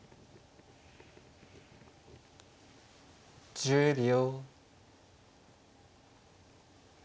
１０秒。